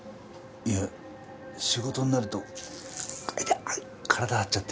いや仕事になると痛っ！